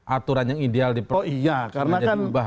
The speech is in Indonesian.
aturan yang ideal diperubah